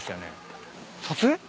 撮影？